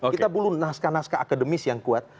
kita perlu naskah naskah akademis yang kuat